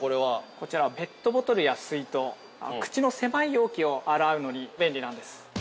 ◆こちら、ペットボトルや水筒口の狭い容器を洗うのに便利なんです。